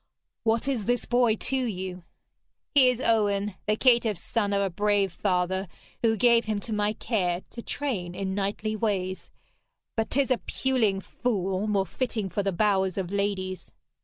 'What is this boy to you?' 'He is Owen, the caitiff son of a brave father, who gave him to my care to train in knightly ways. But 'tis a puling fool, more fitting for the bowers of ladies.'